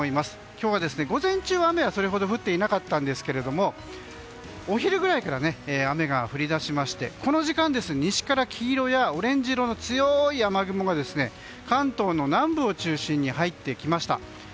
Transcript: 今日は午前中は、それほど雨は降っていなかったんですけれどもお昼ぐらいから雨が降り出しましてこの時間西から黄色やオレンジ色の強い雨雲が関東の南部を中心に入ってきました。